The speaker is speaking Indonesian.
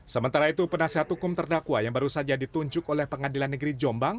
sementara itu penasihat hukum terdakwa yang baru saja ditunjuk oleh pengadilan negeri jombang